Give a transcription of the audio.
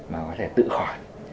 mà có thể tự khỏi